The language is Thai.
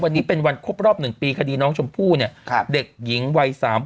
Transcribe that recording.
วันนี้เป็นวันครบรอบหนึ่งปีคดีน้องชมพู่เนี่ยครับเด็กหญิงวัยสาม